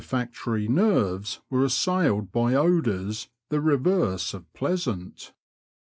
97 olfactory nerves were assailed by odours the reverse of pleasant.